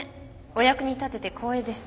お役に立てて光栄です。